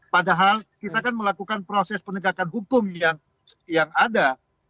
padahal kita kan melakukan proses penegakan hukum yang ada